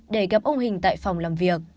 để gặp ông hình tại phòng làm việc